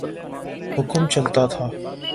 حکم چلتا تھا۔